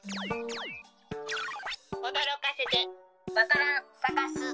おどろかせてわか蘭さかす。